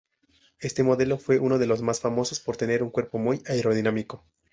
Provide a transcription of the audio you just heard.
Este modelo fue uno de los más famosos por tener un cuerpo muy aerodinámico.